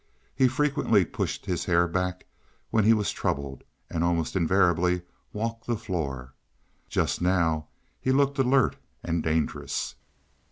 He frequently pushed his hair back when he was troubled, and almost invariably walked the floor; just now he looked alert and dangerous.